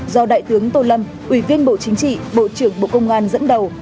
do đại tướng tô lâm ủy viên bộ chính trị bộ trưởng bộ công an dẫn đầu